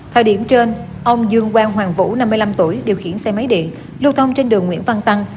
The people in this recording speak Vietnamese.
thời điểm trên ông dương quang hoàng vũ năm mươi năm tuổi điều khiển xe máy điện lưu thông trên đường nguyễn văn tăng